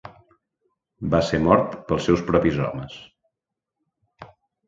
Va ser mort pels seus propis homes.